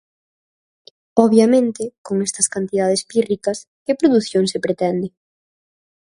Obviamente, con estas cantidades pírricas, ¿que produción se pretende?